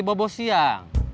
kamu mau berbual